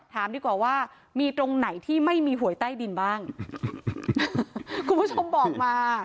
ถามดีกว่าว่ามีตรงไหนที่ไม่มีหวยใต้ดินบ้างคุณผู้ชมบอกมา